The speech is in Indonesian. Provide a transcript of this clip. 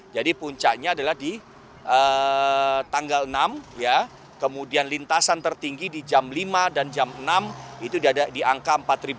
jadi puncaknya adalah di tanggal enam kemudian lintasan tertinggi di jam lima dan jam enam itu di angka empat lima belas